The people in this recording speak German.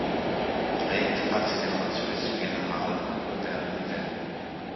Geprägt hat sie der französische General Robert Nivelle.